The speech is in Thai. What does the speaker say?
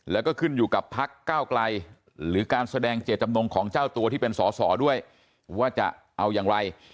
แล้วก็ขึ้นอยู่กับพักเก้าไกลหรือการแสดงเจตจำนงของเจ้าตัวที่เป็นสอสอด้วยว่าจะเอาอย่างไร